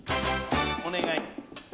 お願い！